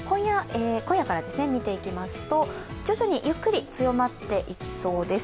今夜から見ていきますと、徐々にゆっくり強まっていきそうです。